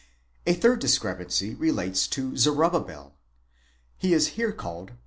—A third discrepancy relates to Zorobabel. He is here called, v.